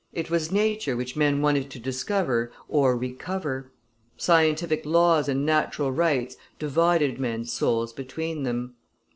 It was nature which men wanted to discover or recover: scientific laws and natural rights divided men's souls between them.